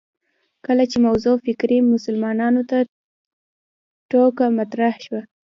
کله چې موضوع فکري مسلماتو په توګه مطرح شوه